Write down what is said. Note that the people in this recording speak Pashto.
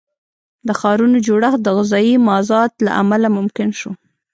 د ښارونو جوړښت د غذایي مازاد له امله ممکن شو.